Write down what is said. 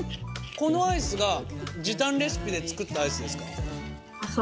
このアイスが時短レシピで作ったアイスですか？